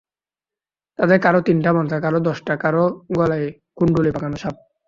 তাঁদের কারও তিনটা মাথা, কারও দশটা, কারও গলায় কুণ্ডলী পাকানো সাপ।